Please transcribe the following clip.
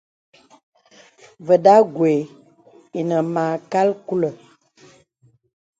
Və̀da gwe inə mâkal kulə̀.